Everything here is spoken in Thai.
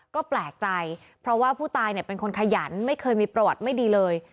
ก็แปลกใจเพราะว่าผู้ตายเป็นคนขยันไม่เคยมีประวัติไม่ดีเลย